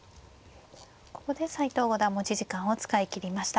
ここで斎藤五段持ち時間を使い切りました。